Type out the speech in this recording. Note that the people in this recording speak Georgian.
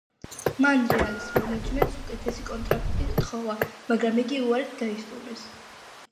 მან რეალის მენეჯმენტს უკეთესი კონტრაქტი თხოვა მაგრამ იგი უარით გაისტუმრეს.